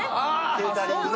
ケータリングの。